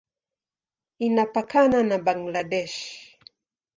Inapakana na Bangladesh.